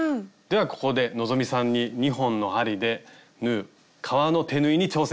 ではここで希さんに２本の針で縫う革の手縫いに挑戦して頂きたいと思います。